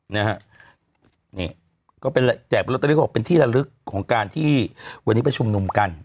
นะฮะนี่ก็เป็นแจกลอตเตอรี่เขาบอกเป็นที่ละลึกของการที่วันนี้ไปชุมนุมกัน